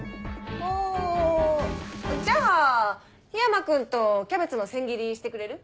あじゃあ緋山君とキャベツの千切りしてくれる？